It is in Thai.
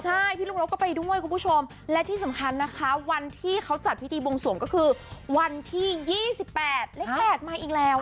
ใช่พี่ลูกนกก็ไปด้วยคุณผู้ชมและที่สำคัญนะคะวันที่เขาจัดพิธีบวงสวงก็คือวันที่๒๘เลข๘มาอีกแล้ว